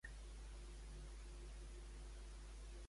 I qui afirma que això existia a Mègara i a Milet, també?